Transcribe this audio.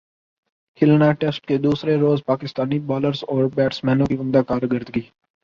کھلنا test کے دوسرے روز پاکستانی بالرزاور بیٹسمینوں کی عمدہ کارکردگی